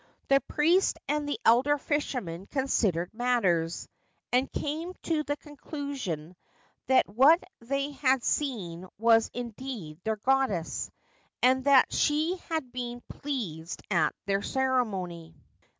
The priest and the elder fishermen considered matters, and came to the conclusion that what they had seen was indeed their goddess, and that she had been pleased at their ceremony.